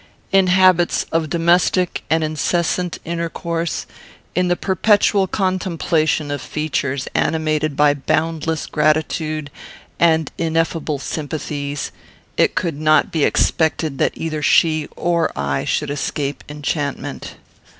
In habits of domestic and incessant intercourse, in the perpetual contemplation of features animated by boundless gratitude and ineffable sympathies, it could not be expected that either she or I should escape enchantment.